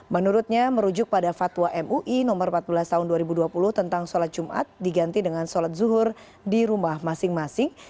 menurutnya merujuk pada fatwa mui no empat belas tahun dua ribu dua puluh tentang sholat jumat diganti dengan sholat zuhur di rumah masing masing